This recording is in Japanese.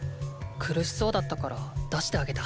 苦しそうだったから出してあげた。